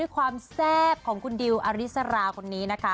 ความแซ่บของคุณดิวอริสราคนนี้นะคะ